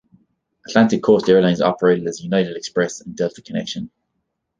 Atlantic Coast Airlines operated as United Express and Delta Connection.